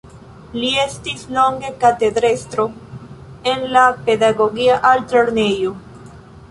Li estis longe katedrestro en la Pedagogia Altlernejo.